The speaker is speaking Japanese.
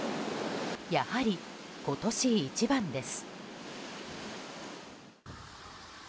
やはり今年一番です。